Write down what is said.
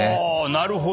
なるほど。